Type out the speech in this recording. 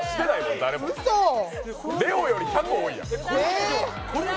ＬＥＯより１００多いやん！